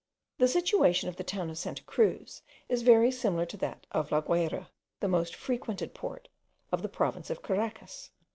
The situation of the town of Santa Cruz is very similar to that of La Guayra, the most frequented port of the province of Caraccas.